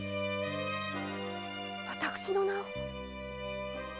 私の名を？